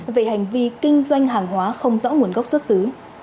về hành vi kinh doanh hàng hóa không rõ nguồn gốc xuất xứ